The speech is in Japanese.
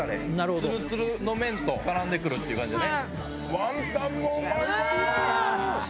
つるつるの麺と絡んでくるっていう感じでね。